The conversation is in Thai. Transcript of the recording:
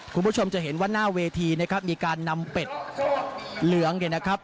คุณผู้ชมจะเห็นว่าหน้าเวทีนะครับมีการนำเป็ดเหลืองเนี่ยนะครับ